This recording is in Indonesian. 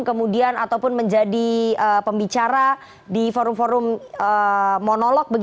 kemudian ataupun menjadi pembicara di forum forum monolog